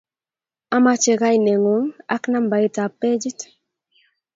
amache kainegung ak nambait ab bejit.